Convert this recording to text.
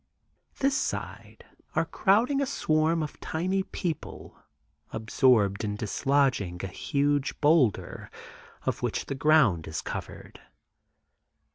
This side are crowding a swarm of tiny people absorbed in dislodging a huge boulder of which the ground is covered.